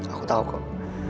aku tahu kok